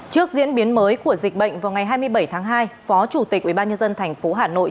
trước diễn biến mới của dịch bệnh vào ngày hai mươi bảy tháng hai phó chủ tịch ubnd tp hà nội